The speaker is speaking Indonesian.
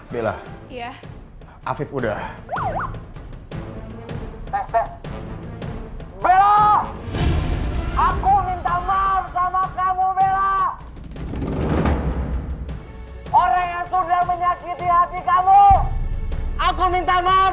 bela iya api udah aku minta maaf sama kamu bella orang yang sudah menyakiti hati kamu aku minta maaf